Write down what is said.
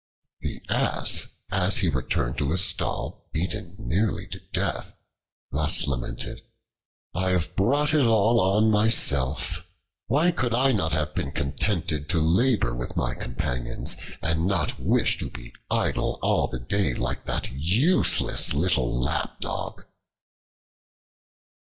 The Ass, as he returned to his stall beaten nearly to death, thus lamented: "I have brought it all on myself! Why could I not have been contented to labor with my companions, and not wish to be idle all the day like that useless little Lapdog!"